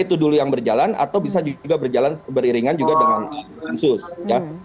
itu dulu yang berjalan atau bisa juga berjalan beriringan juga dengan sus ya